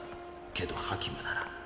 けどハキムなら。